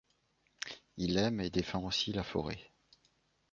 Il aime et défend aussi la forêt.